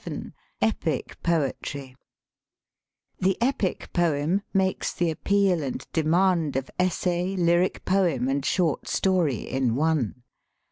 VII EPIC POETRY THE epic poem makes the appeal and demand of essay, lyric poem, and short story in one.